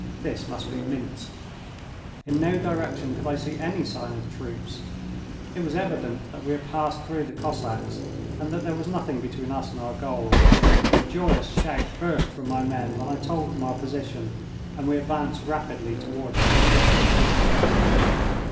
This must be Minsk. In no direction could I see any signs of troops. It was evident that we had passed through the Cossacks and that there was nothing between us and our goal. A joyous shout burst from my men when I told them our position, and we advanced rapidly toward the village.